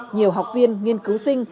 nhiều học viên nghiên cứu sinh